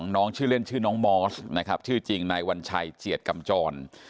น้องชื่อเล่นชื่อน้องมอสนะครับชื่อจริงนายวัญชัยเจียดกำจร